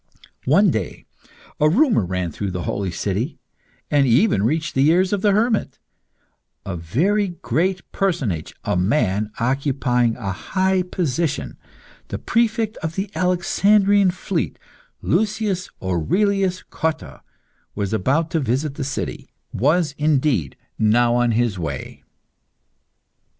One day, a rumour ran through the holy city, and even reached the ears of the hermit: a very great personage, a man occupying a high position, the Prefect of the Alexandrian fleet, Lucius Aurelius Cotta, was about to visit the city was, indeed, now on his way.